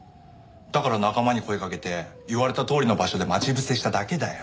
だから仲間に声かけて言われたとおりの場所で待ち伏せしただけだよ。